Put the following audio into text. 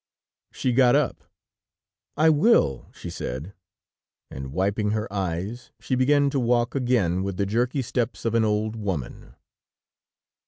She got up. "I will," she said, and wiping her eyes, she began to walk again with the jerky steps of an old woman.